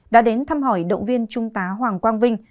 đã đến thăm hỏi động viên trung tá hoàng quang vinh